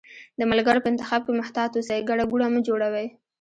د ملګرو په انتخاب کښي محتاط اوسی، ګڼه ګوڼه مه جوړوی